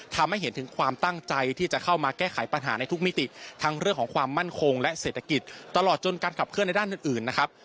ทำให้เห็นถึงความตั้งใจที่จะเข้ามาแก้ไขปัญหาในทุกมิติทั้งเรื่องของความมั่นคงและเศรษฐกิจตลอดจนการขับเคลื่อนในด้านอื่นนะครับ